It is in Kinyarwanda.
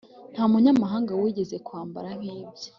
nta munyamahanga wigeze kwambara nk'ibye